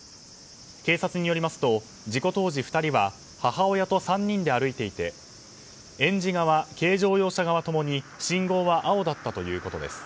警察によりますと事故当時、２人は母親と３人で歩いていて園児側、軽乗用車側ともに信号は青だったということです。